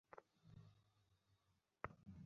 আচ্ছা শুনো, আজকে কী বার?